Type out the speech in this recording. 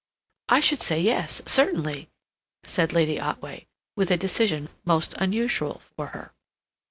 "I should say yes, certainly," said Lady Otway, with a decision most unusual for her.